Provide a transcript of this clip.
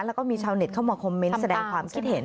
แล้วก็มีชาวเน็ตเข้ามาคอมเมนต์แสดงความคิดเห็น